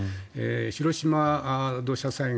広島土砂災害